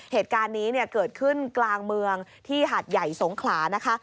เหตุการณ์นี้เนี่ยเกิดขึ้นกลางเมืองที่หาดใหญ่สงขลานะคะ